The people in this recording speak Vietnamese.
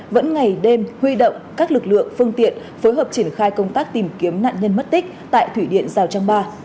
vẫn ngày đêm huy động các lực lượng phương tiện phối hợp triển khai công tác tìm kiếm nạn nhân mất tích tại thủy điện rào trang ba